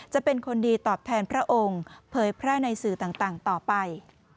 จะเป็นคนดีตอบแทนพระองค์เผยแพร่ในสื่อต่างต่อไป